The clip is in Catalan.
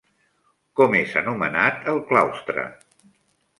Com és anomenat el claustre?